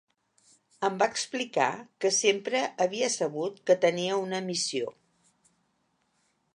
Em va explicar que sempre havia sabut que tenia una missió.